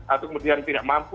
atau kemudian tidak mampu